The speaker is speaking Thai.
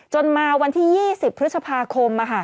จนมาวันที่๒๐พฤษภาคมมาค่ะ